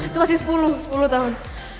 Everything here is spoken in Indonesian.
itu pasti sepuluh tahun